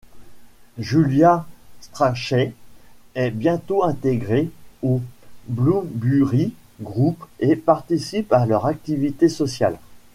Julia Strachey est bientôt intégrée au Bloomsbury Group et participe à leurs activités sociales.